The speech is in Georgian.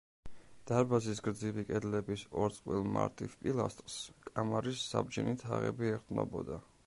დარბაზის გრძივი კედლების ორ წყვილ მარტივ პილასტრს კამარის საბჯენი თაღები ეყრდნობოდა.